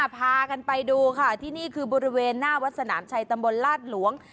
พากันไปดูค่ะที่นี่คือบริเวณหน้าวัดสนามชัยตำบลลาดหลวง